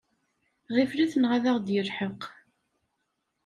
Ɣiflet neɣ ad ɣ-d-yelḥeq!